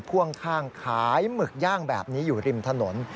พ่วงข้างขายหมึกย่างแบบนี้อยู่ริมถนน